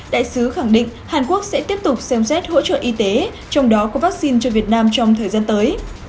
đại sứ khẳng định hàn quốc sẽ tiếp tục xem xét hỗ trợ y tế trong đó có vaccine cho việt nam trong thời gian tới